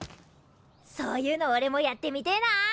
そういうのおれもやってみてえな。